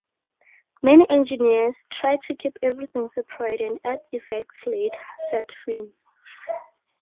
"Many engineers try to keep everything separate and add effects later," said Finn.